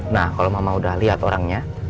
nah kalau mama udah lihat orangnya